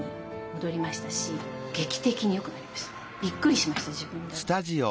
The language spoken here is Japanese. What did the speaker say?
びっくりしました自分でも。